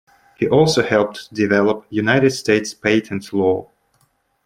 He also helped develop United States patent law.